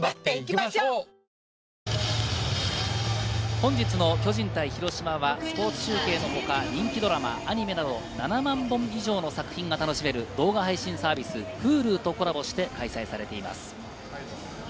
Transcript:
本日の巨人対広島はスポーツ中継のほか、人気ドラマアニメなど７万本以上の作品が楽しめる動画配信サービスＨｕｌｕとコラボして、開催されています。